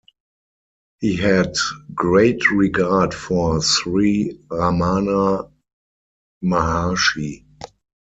He had great regard for Sri Ramana Maharshi.